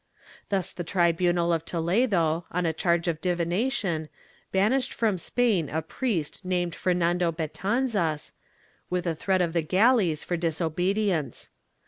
Thus the tribunal of Toledo, on a charge of divination, banished from Spain a priest named Fernando Betanzas, with a threat of the galleys for disobedience.